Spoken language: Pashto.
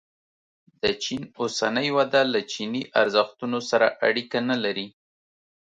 د چین اوسنۍ وده له چیني ارزښتونو سره اړیکه نه لري.